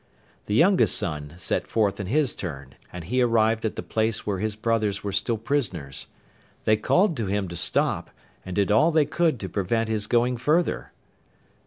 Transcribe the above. The youngest son set forth in his turn, and he arrived at the place where his brothers were still prisoners. They called to him to stop, and did all they could to prevent his going further.